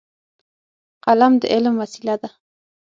قلم د علم وسیله ده.